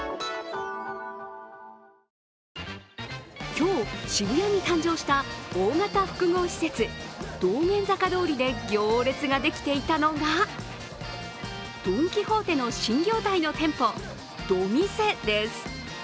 今日、渋谷に誕生した大型商業施設道玄坂通で行列ができていたのが、ドン・キホーテの新業態の店舗・ドミセです。